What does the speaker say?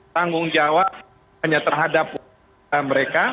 tanggung jawab hanya terhadap mereka